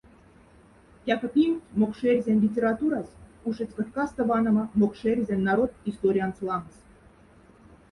Тяка пингть мокшэрзянь литературась ушедсь крхкаста ванома мокшэрзянь народть историянц лангс.